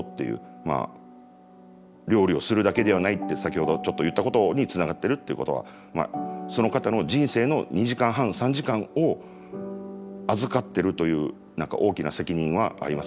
まあ料理をするだけではないって先ほどちょっと言ったことにつながってるっていうことはその方の人生の２時間半３時間を預かってるという何か大きな責任はありますね。